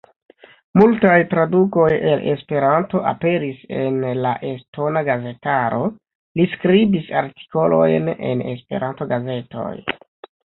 Multaj tradukoj el Esperanto aperis en la estona gazetaro; li skribis artikolojn en Esperanto-gazetoj.